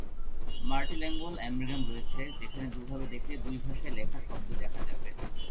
Multilingual অ্যাম্বিগ্রাম রয়েছে, যেখানে দুভাবে দেখলে দুই ভাষায় লেখা শব্দ দেখা যাবে।